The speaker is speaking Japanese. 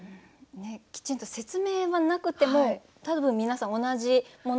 きちんと説明はなくても多分皆さん同じものを想像しますよね。